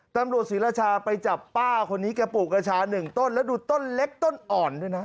ตำรวจศรีราชาไปจับป้าคนนี้แกปลูกกระชาหนึ่งต้นแล้วดูต้นเล็กต้นอ่อนด้วยนะ